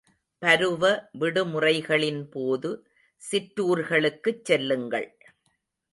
பருவ விடுமுறைகளின்போது, சிற்றுர்களுக்குச் செல்லுங்கள்.